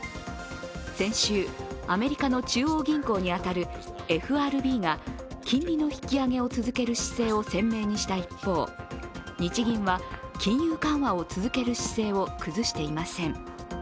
先週、アメリカの中央銀行に当たるＦＲＢが金利の引き上げを続ける姿勢を鮮明にした一方、日銀は金融緩和を続ける姿勢を崩していません。